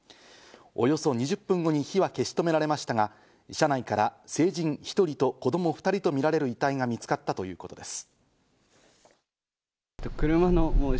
およそ２０分後に火は消し止められましたが、車内から成人１人と子供２人とみられる遺体が見つかったということです。